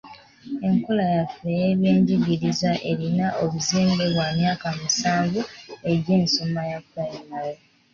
Enkola yaffe ey'ebyenjigiriza erina obuzimbe bwa myaka musanvu egy'ensoma eya pulayimale.